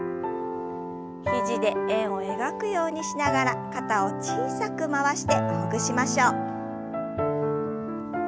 肘で円を描くようにしながら肩を小さく回してほぐしましょう。